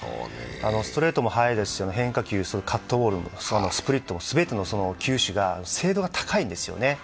ストレートも速いですし、変化球、カットボール、スプリットも全ての球種が精度が高いんですよね。